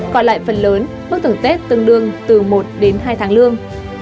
còn lại phần lớn mức thưởng tết tương đương từ một đến hai tháng lương